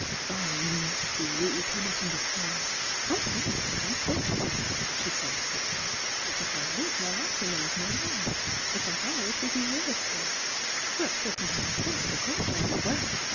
"Ah, you will not see, — you cannot under stand " "I see and understand perfectly!" she said, quick ly. "But, if I live, my life remains my own — if I die, it will be your affair — but there can be no cause for grudge either way!"